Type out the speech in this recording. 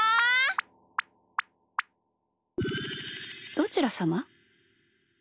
どちらさま？